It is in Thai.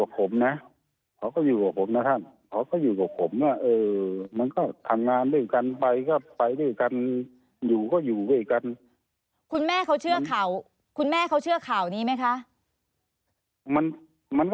เขาก็อยู่กับผมนะมันก็ทำงานด้วยกันไปก็ไปด้วยกันอยู่ก็อยู่ด้วยกัน